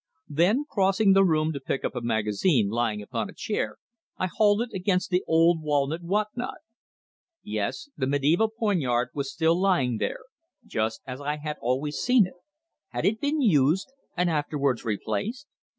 Then, crossing the room to pick up a magazine lying upon a chair, I halted against the old walnut what not. Yes, the mediæval poignard was still lying there, just as I had always seen it! Had it been used, and afterwards replaced?